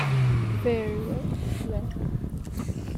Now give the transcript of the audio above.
Very well, then.